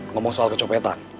ngomong soal kecopetan